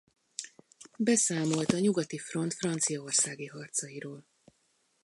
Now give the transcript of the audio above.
Beszámolt a Nyugati Front Franciaországi harcairól.